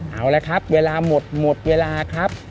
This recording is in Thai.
เอาละครับเวลาหมดหมดเวลาครับ